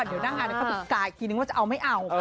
เดี๋ยวหน้างานก็ปรุกกะอีกกี่นึงว่าจะเอาไม่เอา